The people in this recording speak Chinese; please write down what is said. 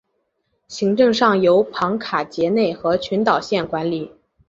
行政上由庞卡杰内和群岛县管理。